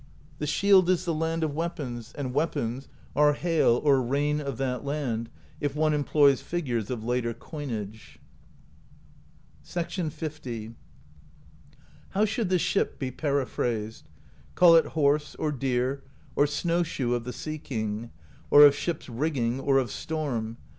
"The shield is the Land of Weapons, and weapons are Hail or Rain of that land, if one employs figures of later coinage. L. "How should the ship be periphrased? Call it Horse or Deer or Snowshoe of the Sea King, or of Ship's Rigging, or of Storm.